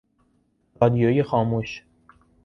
رادیوی خاموش